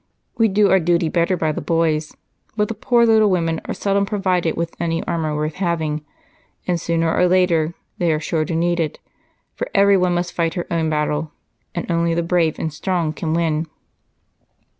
We do our duty better by the boys, but the poor little women are seldom provided with any armor worth having, and sooner or later they are sure to need it, for every one must fight her own battle, and only the brave and strong can win."